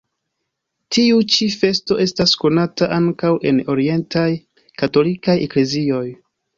Tiu ĉi festo estas konata ankaŭ en orientaj katolikaj eklezioj.